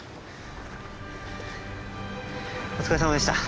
お疲れさまでした。